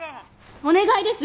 お願いです！